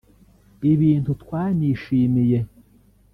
ibintu twanishimiye